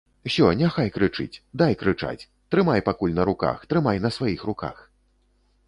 Усё, няхай крычыць, дай крычаць, трымай пакуль на руках, трымай на сваіх руках.